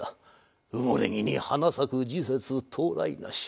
埋もれ木に花咲く時節到来なし。